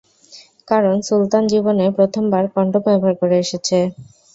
কারন সুলতান জীবনে প্রথমবার কনডম ব্যবহার করে এসেছে।